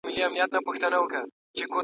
وبا د لوږي نیولې سیمه,